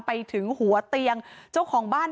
ไปถึงหัวเตียงเจ้าของบ้าน